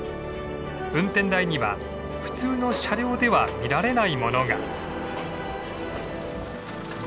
運転台には普通の車両では見られないものが。